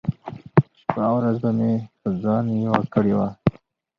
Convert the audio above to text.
شپه ورځ به مې په ځان يوه کړې وه .